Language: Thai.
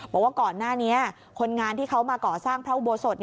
บอกว่าก่อนหน้านี้คนงานที่เขามาก่อสร้างพระอุโบสถ